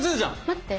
待って！